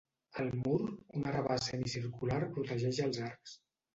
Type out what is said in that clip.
Al mur, un arrabà semicircular protegeix els arcs.